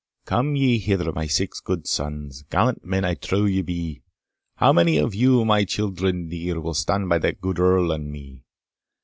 "Come ye hither my 'six' good sons, Gallant men I trow ye be, How many of you, my children dear, Will stand by that good Earl and me?"